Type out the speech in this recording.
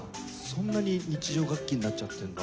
そんなに日常楽器になっちゃってるんだ。